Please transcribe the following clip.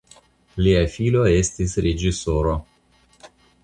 Lia filo estis reĝisoro.